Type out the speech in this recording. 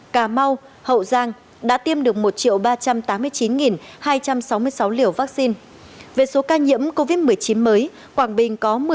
cà mau hậu giang đã tiêm được một ba trăm tám mươi chín hai trăm sáu mươi sáu liều vaccine về số ca nhiễm covid một mươi chín mới quảng bình có một mươi ca